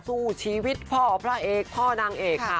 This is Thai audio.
สู้ชีวิตพ่อพระเอกพ่อนางเอกค่ะ